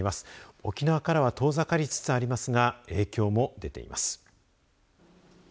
沖縄からは遠ざかりつつありますが影響も出ています。